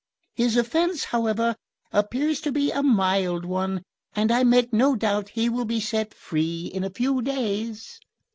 His offence, however, appears to be a mild one, and I make no doubt he will be set free in a few days."